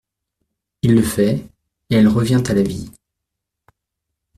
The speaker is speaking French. Il le fait, et elle revient à la vie.